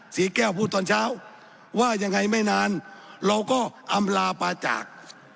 ศรีแก้วพูดตอนเช้าว่ายังไงไม่นานเราก็อำลาปาจาก